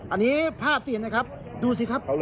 อันนี้ภาพที่เห็นนะครับดูสิครับ